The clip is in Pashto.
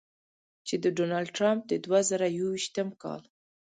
چې د ډونالډ ټرمپ د دوه زره یویشتم کال